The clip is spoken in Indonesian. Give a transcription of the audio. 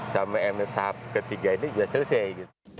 sampai mef tahap ketiga ini sudah selesai